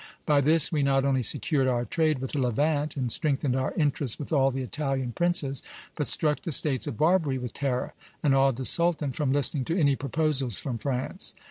By this we not only secured our trade with the Levant, and strengthened our interests with all the Italian princes, but struck the States of Barbary with terror, and awed the Sultan from listening to any proposals from France.